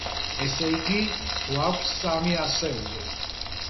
ესე იგი, გვაქვს სამი ასეული.